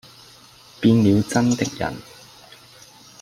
變了眞的人。